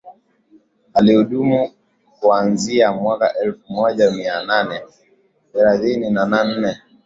Alihudumu kuanziaa mwaka elfu moja mia nane thelathini na nne